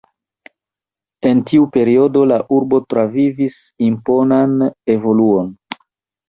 En tiu periodo la urbo travivis imponan evoluon.